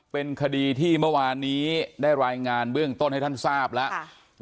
เป็นคดีที่เมื่อวานนี้ได้รายงานเบื้องต้นให้ท่านทราบแล้ว